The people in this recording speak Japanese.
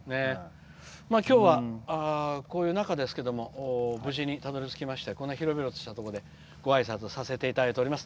きょうは、こういう中ですが無事にたどりつけまして広々としたところでごあいさつをさせていただいております。